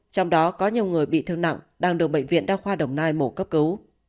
trong đó có nhiều người bị thương nặng đang được bệnh viện đa khoa đồng nai mổ cấp cứu